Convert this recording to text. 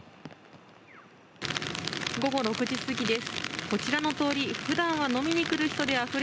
午後６時過ぎです。